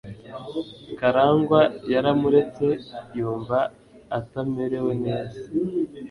Karangwa yaramuretse, yumva atamerewe neza.